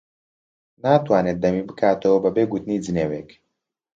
ناتوانێت دەمی بکاتەوە بەبێ گوتنی جنێوێک.